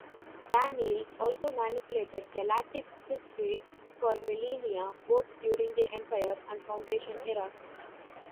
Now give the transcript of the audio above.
Daneel also manipulated galactic history for millennia, both during the Empire and Foundation eras.